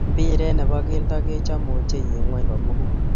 Mpiret ne bo kelto kechome ochei eng ngony komugul.